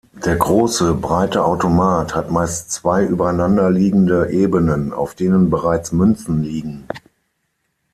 Der große, breite Automat hat meist zwei übereinanderliegende Ebenen, auf denen bereits Münzen liegen.